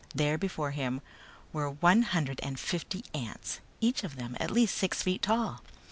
There before him were one hundred and fifty ants, each of them at least six feet tall.